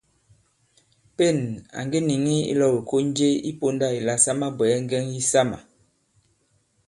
Pên à ŋge nìŋi ilɔ̄w ìkon je i pōndā ìla sa mabwɛ̀ɛ ŋgɛŋ yisamà.